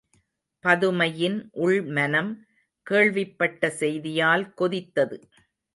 பதுமையின் உள்மனம், கேள்விப்பட்ட செய்தியால் கொதித்தது.